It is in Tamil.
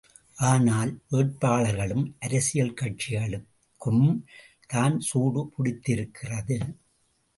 ஆனால், வேட்பாளர்களுக்கும் அரசியல் கட்சிகளுக்கும் தான் சூடு பிடித்திருக்கிறது!